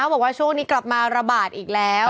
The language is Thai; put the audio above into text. บอกว่าช่วงนี้กลับมาระบาดอีกแล้ว